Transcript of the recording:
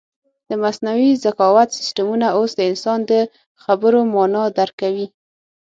د مصنوعي ذکاوت سیسټمونه اوس د انسان د خبرو مانا درک کوي.